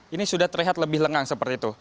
ini sudah terlihat lebih lengang seperti itu